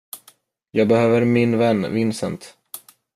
Jag behöver min vän Vincent.